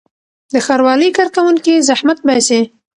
د ښاروالۍ کارکوونکي زحمت باسي.